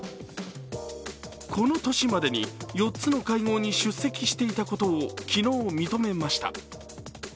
この年までに４つの会合に出席していたことを昨日認めました。